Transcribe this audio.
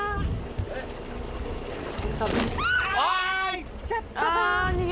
行っちゃったか。